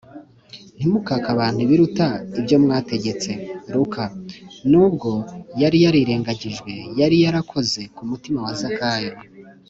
“ntimukake abantu ibiruta ibyo mwategetswe” (luka :), nubwo yari yarirengagijwe, yari yarakoze ku mutima wa zakayo